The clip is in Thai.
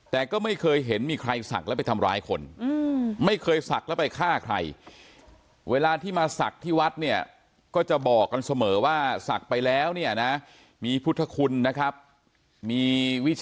แต่ก็ไม่เคยเห็นมีใครศักดิ์แล้วไปทำร้ายคนไม่เคยศักดิ์แล้วไปฆ่าใคร